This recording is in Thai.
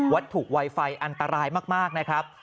ถูกไวไฟอันตรายมากนะครับ